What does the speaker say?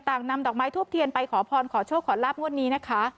นำดอกไม้ทูบเทียนไปขอพรขอโชคขอลาบงวดนี้นะคะ